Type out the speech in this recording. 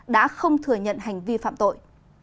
đã không thừa nhận hành vi phạm tội